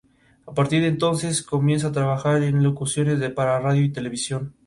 Al tiempo comenzó a trabajar como administrativo en la oficina de patentes de Londres.